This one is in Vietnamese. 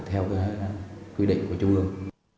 theo quy định của trung ương